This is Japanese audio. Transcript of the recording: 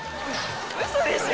「ウソでしょ？」